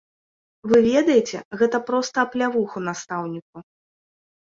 Вы ведаеце, гэта проста аплявуху настаўніку.